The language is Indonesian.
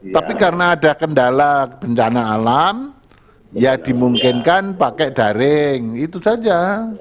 tapi karena ada kendala bencana alam ya dimungkinkan pakai daring itu saja